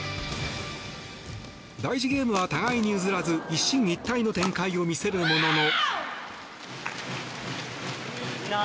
第１ゲームは互いに譲らず一進一退の展開を見せるものの。